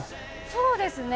そうですね。